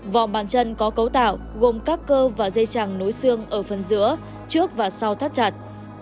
vòng bàn chân có cấu tạo gồm các cơ và dây chẳng nối xương ở phần giữa trước và sau thắt chặt